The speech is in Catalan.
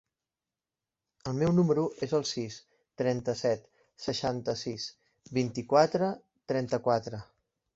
El meu número es el sis, trenta-set, seixanta-sis, vint-i-quatre, trenta-quatre.